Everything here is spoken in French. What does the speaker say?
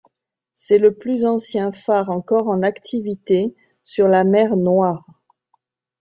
C'est le plus ancien phare encore en activité sur la mer Noire.